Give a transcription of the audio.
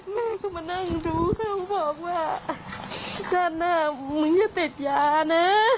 แม่ก็มานั่งดูเขาบอกว่าข้างหน้ามึงจะติดยานะ